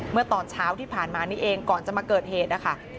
เมื่อตอนเช้าที่ผ่านมานี่เองก่อนจะมาเกิดเหตุนะคะ